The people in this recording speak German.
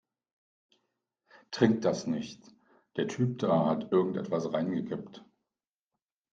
Trink das nicht, der Typ da hat irgendetwas reingekippt.